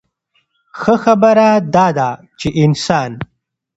ښۀ خبره دا ده چې انسان